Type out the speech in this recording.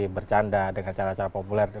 bercanda dengan cara cara populer